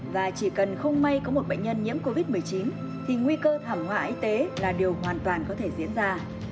và chỉ cần không may có một bệnh nhân nhiễm covid một mươi chín thì nguy cơ thảm họa y tế là điều hoàn toàn có thể diễn ra